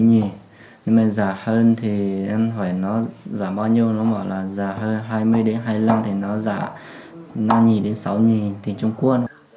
nhưng mà giả hơn thì em hỏi nó giả bao nhiêu nó bảo là giả hơn hai mươi hai mươi năm thì nó giả năm sáu thì trung quốc